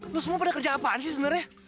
lo semua pada kerja apaan sih sebenernya